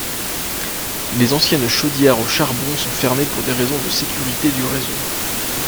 Les anciennes chaudières au charbon sont fermées pour des raisons de sécurité du réseau.